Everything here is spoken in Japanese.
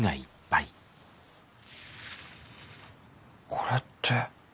これって。